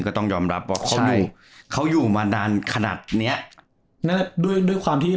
ก็ต้องยอมรับว่าเขาอยู่เขาอยู่มานานขนาดเนี้ยนั่นแหละด้วยด้วยความที่